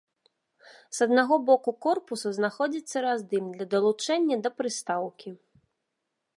С аднаго боку корпусу знаходзіцца раздым для далучэння да прыстаўкі.